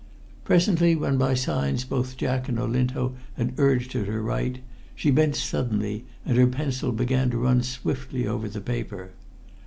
Presently, when by signs both Jack and Olinto had urged her to write, she bent suddenly, and her pencil began to run swiftly over the paper.